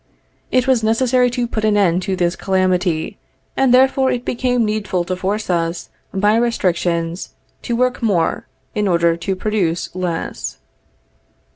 It was necessary to put an end to this calamity, and therefore it became needful to force us, by restrictions, to work more, in order to produce less.